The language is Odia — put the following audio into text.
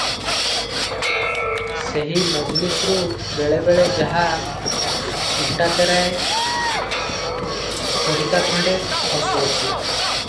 ସେହି ମଜଲିସ୍ରୁ ବେଳେବେଳେ ଯାହା କୁଟାକେରାଏ, ଖଡ଼ିକାଖଣ୍ତେ ଖସୁଅଛି ।